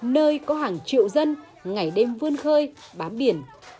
nơi có hàng triệu dân ngày đêm vươn khơi bám biển